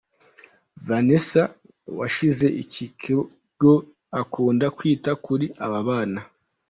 Vanessa washinze iki kigo akunda kwita kuri aba bana.